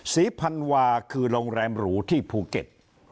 ศรีพันวาคือโรงแรมหรูที่ภูเก็ต